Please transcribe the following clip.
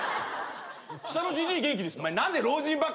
下のじじい元気ですか？